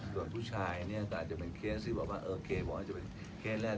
ส่วนผู้ชายเนี่ยก็อาจจะเป็นเคสที่บอกว่าโอเคบอกว่าจะเป็นเคสแรก